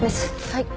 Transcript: はい。